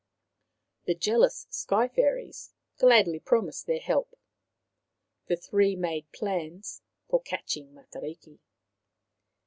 The jealous Sky fairies gladly promised their help. The three made plans for catching Matariki.